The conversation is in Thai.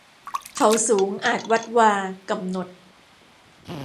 เขาสูงอาจวัดวา กำหนด